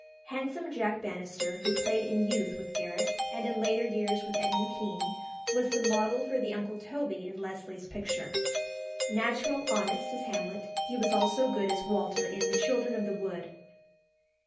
Handsome Jack Bannister, who played in youth with Garrick, and in later years with Edmund Kean, was the model for the Uncle Toby in Leslie's picture. Natural, honest, as Hamlet, he was also good as Walter in "The Children of the Wood."